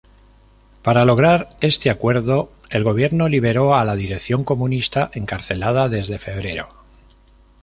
Para lograr este acuerdo, el Gobierno liberó a la dirección comunista, encarcelada desde febrero.